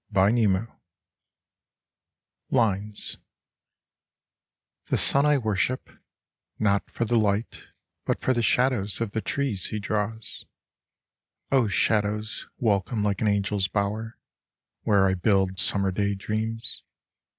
X Ill LINES Tlie sun I worship, Not for the light, but for the shadows of the trees he draws : O shadows welcome like an angel's bower, Where I build Summer day dreams